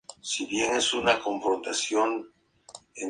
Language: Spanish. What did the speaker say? Fue asistente de la Dra.